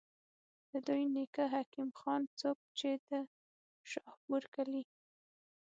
د دوي نيکۀ حکيم خان، څوک چې د شاهپور کلي